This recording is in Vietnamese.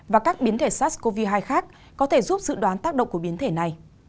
và các biến thể sars cov hai khác có thể giúp dự đoán tác động của biến thể này